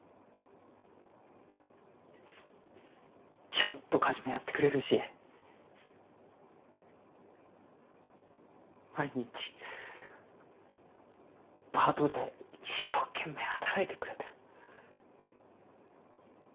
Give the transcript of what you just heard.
ちゃんと家事もやってくれるし毎日パートで一生懸命働いてくれてる。